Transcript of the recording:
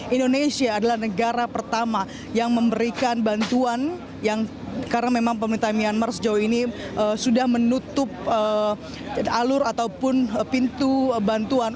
indonesia adalah negara pertama yang memberikan bantuan yang karena memang pemerintah myanmar sejauh ini sudah menutup alur ataupun pintu bantuan